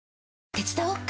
手伝おっか？